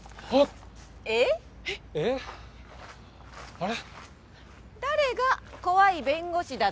あれ？